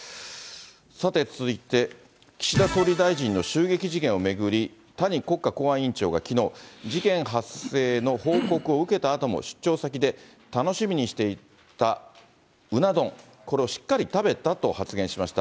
さて、続いて、岸田総理大臣の襲撃事件を巡り、谷国家公安委員長がきのう、事件発生の報告を受けたあとも出張先で、楽しみにしていたうな丼、これをしっかり食べたと発言しました。